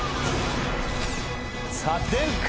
さぁ出るか？